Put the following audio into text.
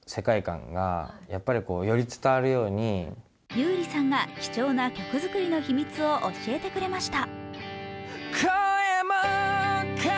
優里さんが貴重な曲作りの秘密を教えてくれました。